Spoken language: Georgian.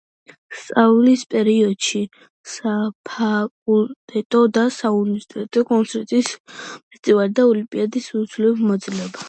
სწავლის პერიოდში, საფაკულტეტო და საუნივერსიტეტო კონცერტების, ფესტივალების, თუ ოლიმპიადების უცვლელი მონაწილეა.